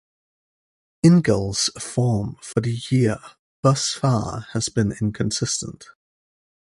Ingall's form for the year thus far has been inconsistent.